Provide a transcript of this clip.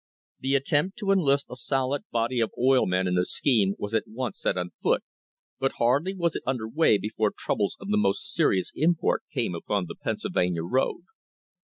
The attempt to enlist a solid body of oil men in the scheme was at once set on foot, but hardly was it under way before troubles of most serious import came upon the Pennsylvania road.